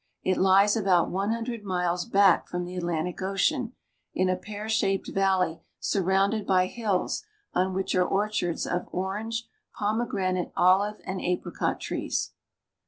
It lies about one hundred miles back from the Atlantic Ocean, in a pear shaped valley surrounded by hills on which are orchards of orange, pomegranate, ohve, and apricot trees.